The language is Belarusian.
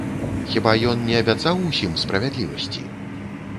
Хіба ён не абяцаў усім справядлівасці?